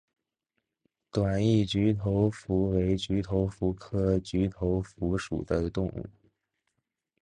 短翼菊头蝠为菊头蝠科菊头蝠属的动物。